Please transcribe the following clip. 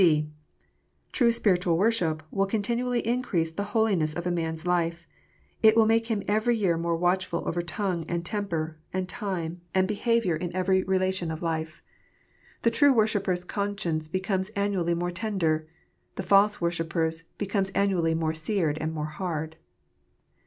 (d) True spiritual worship will continually increase the holiness of a man s life. It will make him every year more watchful over tongue, and temper, and time, and behaviour in 296 KNOTS UNTIED. every relation of life. The true worshipper s conscience becomes annually more tender. The false worshipper s becomes annually more seared and more hard.